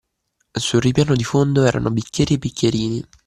Sul ripiano di fondo erano bicchieri e bicchierini